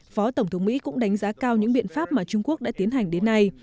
phó tổng thống mỹ cũng đánh giá cao những biện pháp mà trung quốc đã tiến hành đến nay